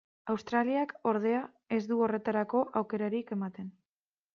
Australiak, ordea, ez du horretarako aukerarik ematen.